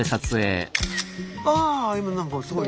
あ今なんかすごい。